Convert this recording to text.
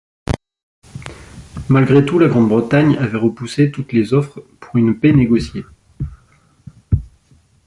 Malgré tout, la Grande-Bretagne avait repoussé toutes les offres pour une paix négociée.